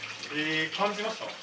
感じました？